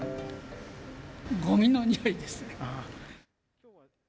ごみの臭いですね。